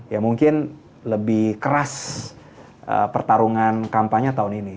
ya mungkin lebih keras pertarungan kampanye tahun ini